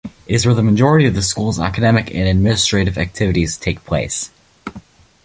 It is where the majority of the school's academic and administrative activities take place.